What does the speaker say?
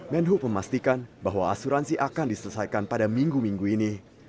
menhub memastikan bahwa asuransi akan diselesaikan pada minggu minggu ini